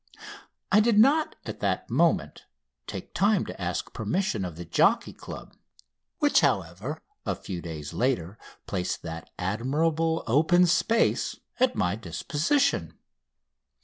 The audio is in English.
I did not at that moment take time to ask permission of the Jockey Club, which, however, a few days later placed that admirable open space at my disposition.